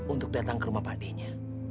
untuk datang ke rumah pak d nya